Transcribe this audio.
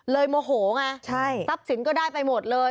โมโหไงทรัพย์สินก็ได้ไปหมดเลย